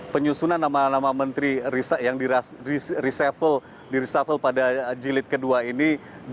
penyusunan nama nama menteri yang di reshuffle pada jilid kedua ini